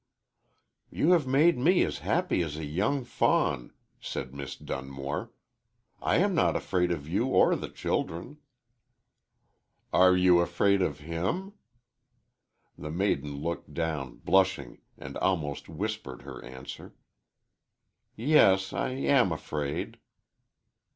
"You have made me as happy as a young fawn," said Miss Dunmore. "I am not afraid of you or the children." "Are you afraid of him?" The maiden looked down, blushing, and almost whispered her answer. "Yes; I am afraid."